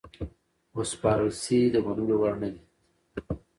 وسپارل سي د منلو وړ نه دي.